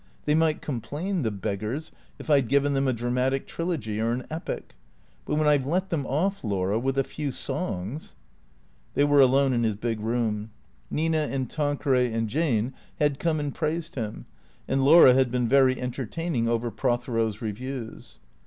They might complain, the beggars, if I 'd given them a dramatic trilogy or an epic. But when I 've let them off, Laura, with a few songs !" They were alone in his big room. Nina and Tanqueray and Jane had come and praised him, and Laura had been very en tertaining over Prothero's reviews.